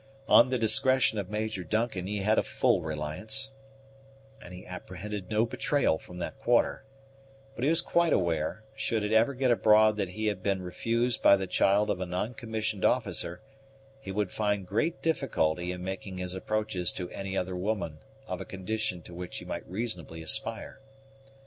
On the discretion of Major Duncan he had a full reliance, and he apprehended no betrayal from that quarter; but he was quite aware, should it ever get abroad that he had been refused by the child of a non commissioned officer, he would find great difficulty in making his approaches to any other woman of a condition to which he might reasonably aspire.